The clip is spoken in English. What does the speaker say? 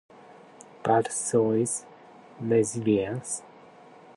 But so is resilience.